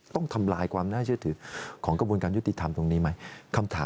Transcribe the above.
ต้องทำลายความน่าเชื่อถือของกระบวนการยุติธรรมตรงนี้ไหมคำถาม